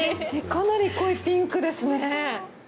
かなり濃いピンクですね。